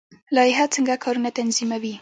لایحه څنګه کارونه تنظیموي؟